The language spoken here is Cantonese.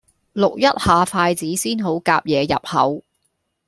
淥一下筷子先好夾野入口